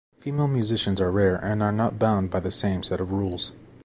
Female musicians are rare and are not bound by the same set of rules.